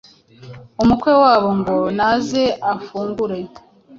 umukwe wabo ngo naze afungure.